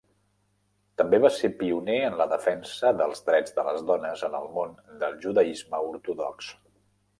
També va ser pioner en la defensa dels drets de les dones en el món del judaisme ortodox.